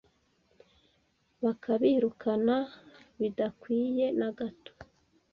bakabirukana bidakwiye na gato.